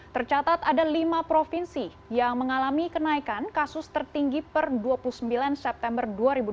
tercatat ada lima provinsi yang mengalami kenaikan kasus tertinggi per dua puluh sembilan september dua ribu dua puluh